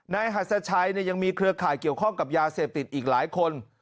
นายหัสชัยยังมีเครือข่ายเกี่ยวข้องกับยาเสพติดอีกหลายคน